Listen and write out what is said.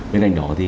bên cạnh đó thì